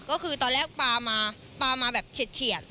ก็คือตอนแรกปลามาปลามาแบบเฉียด